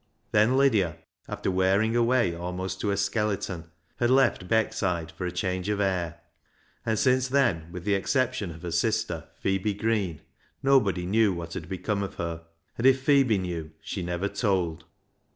Then Lydia, after wearing away almost to a THE HAUNTED MAN 391 skeleton, had left Beckside for a change of air, and since then, with the exception of her sister, Phebe Green, nobody knew what had become of her, and if Phebe knew, she never told.